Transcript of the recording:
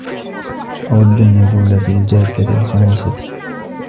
أود النزول في الجادة الخامسة